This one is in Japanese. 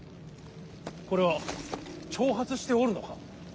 これは挑発しておるのか。